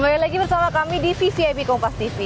langsung melihat suasana malam di kota madiw